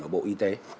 ở bộ y tế